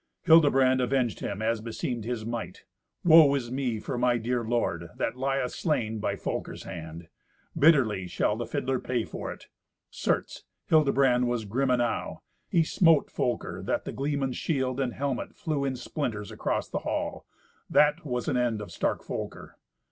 Hildebrand avenged him as beseemed his might. "Woe is me for my dear lord, that lieth slain by Folker's hand! Bitterly shall the fiddler pay for it." Certes, Hildebrand was grim enow. He smote Folker, that the gleeman's shield and helmet flew in splinters across the hall. That was an end of stark Folker.